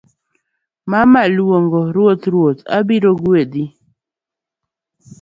mama; luongo ruoth ruoth; obiro ng'wech